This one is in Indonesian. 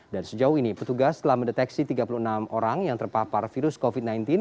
dan sejauh ini petugas telah mendeteksi tiga puluh enam orang yang terpapar virus covid sembilan belas